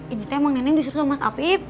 ini teh emang nenek disuruh mas afif